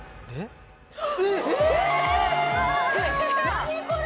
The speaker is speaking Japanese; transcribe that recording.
何これ！